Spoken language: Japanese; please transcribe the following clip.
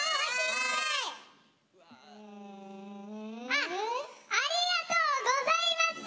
ありがとうございます。